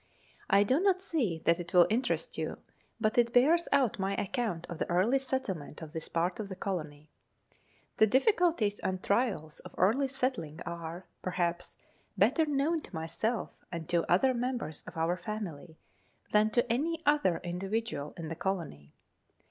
I do not see that it will interest you, but it bears out my account of the early settlement of this part of the colony. The difficulties and trials of early settling are, perhaps, better known to myself and two other members of our family than to any other individual in the colony.